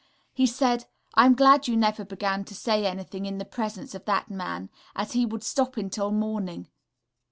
He said, "I am glad you never began to say anything in the presence of that man, as he would stop until morning."...